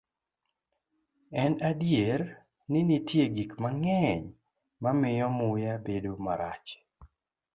En adier ni nitie gik mang'eny ma miyo muya bedo marach.